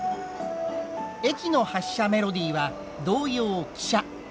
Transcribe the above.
駅の発車メロディーは童謡「汽車」。